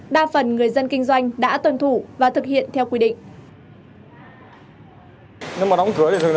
đa phần người dân kinh doanh đã tuân thủ và thực hiện theo quy định